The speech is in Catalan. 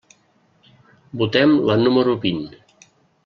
Votem la número vint.